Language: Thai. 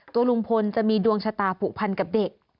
ตัวลุงพลจะมีดวงชะตาผูกพันกับเด็ก